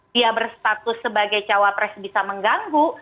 dia berstatus sebagai cawapres bisa mengganggu